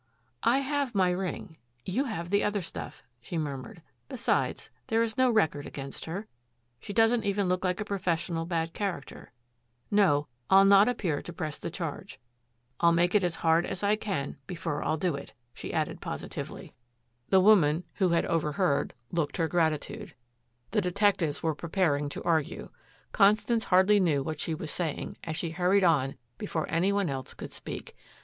"I have my ring. You have the other stuff," she murmured. "Besides, there is no record against her. She doesn't even look like a professional bad character. No I'll not appear to press the charge I'll make it as hard as I can before I'll do it," she added positively. The woman, who had overheard, looked her gratitude. The detectives were preparing to argue. Constance hardly knew what she was saying, as she hurried on before any one else could speak.